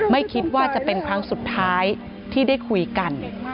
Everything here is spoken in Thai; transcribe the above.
ไม่คิดว่าจะเป็นครั้งสุดท้ายที่ได้คุยกัน